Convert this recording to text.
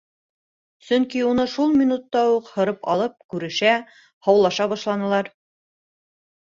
Сөнки уны шул минутта уҡ һырып алып күрешә, һаулаша башланылар.